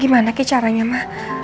gimana sih caranya ma